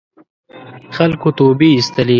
خلکو توبې اېستلې.